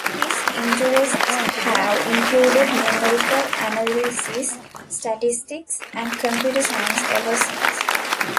His interests have included numerical analysis, statistics, and computer science ever since.